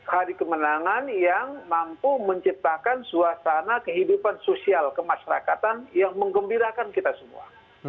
hari kemenangan yang mampu menciptakan suasana kehidupan sosial kemasyarakatan yang mengembirakan kita semua